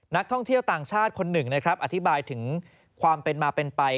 นักท่องเที่ยวต่างชาติคนหนึ่งนะครับอธิบายถึงความเป็นมาเป็นไป